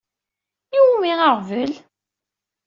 Iwumi aɣbel?